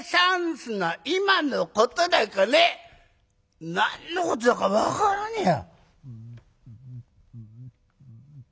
すな今のこと』なんかね何のことだか分からねえや」。